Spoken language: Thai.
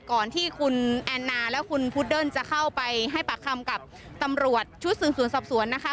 ก่อนที่คุณแอนนาและคุณพุดเดิ้ลจะเข้าไปให้ปากคำกับตำรวจชุดสืบสวนสอบสวนนะคะ